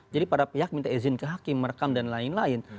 jadi para pihak minta izin ke hakim merekam dan lain lain